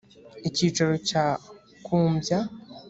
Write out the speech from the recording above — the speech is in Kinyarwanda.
icyicaro cya kumbya